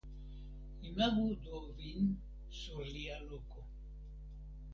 Imagu do vin sur lia loko!